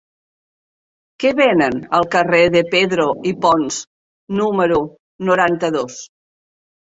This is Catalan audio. Què venen al carrer de Pedro i Pons número noranta-dos?